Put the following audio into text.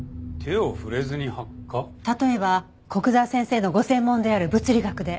例えば古久沢先生のご専門である物理学で。